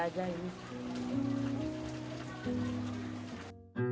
tempe aja ya